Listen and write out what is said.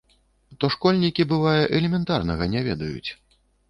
То школьнікі, бывае, элементарнага не ведаюць.